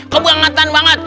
kau buang angkatan banget